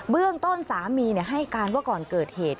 เรื่องต้นสามีให้การว่าก่อนเกิดเหตุ